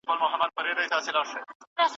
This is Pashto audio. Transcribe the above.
انصاف کینه کموي.